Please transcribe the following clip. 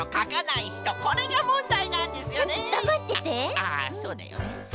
ああそうだよね。